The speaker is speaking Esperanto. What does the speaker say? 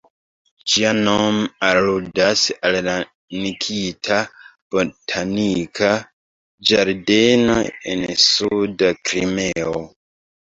Ĝia nom aludas al la Nikita botanika ĝardeno, en suda Krimeo.